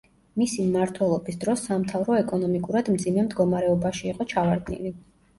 მისი მმართველობის დროს სამთავრო ეკონომიკურად მძიმე მდგომარეობაში იყო ჩავარდნილი.